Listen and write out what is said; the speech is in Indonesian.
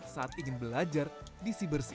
saat ingin belajar di si bersi